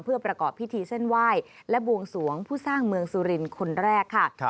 เพื่อประกอบพิธีเส้นไหว้และบวงสวงผู้สร้างเมืองสุรินทร์คนแรกค่ะ